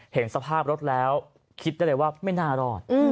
เห็นสภาพรถแล้วคิดได้เลยว่าไม่น่ารอด